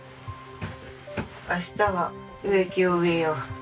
明日は植木を植えよう。